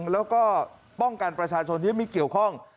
แล้วก็ป้องกันประชาชนที่ไม่เกี่ยวข้อง